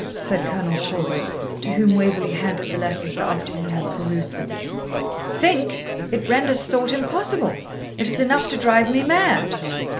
said Colonel Talbot, to whom Waverley handed the letters after he had perused them. 'Think! it renders thought impossible. It is enough to drive me mad.'